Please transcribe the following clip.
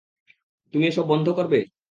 তুমি এসব বন্ধ করবে।